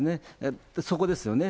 そこですよね。